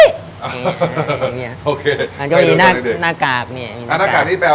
นะหากงี้หันจะมีหน้ากากอยู่ด้วยนี่เอายังไงครับ